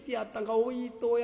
おいとや。